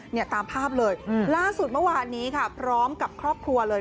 เนี่ยตามภาพเลยล่าสุดเมื่อวานนี้ค่ะพร้อมกับครอบครัวเลย